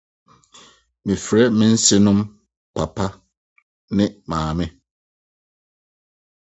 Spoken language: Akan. Mefrɛ me nsenom ‘ Papa ’ ne ‘ Maame. ’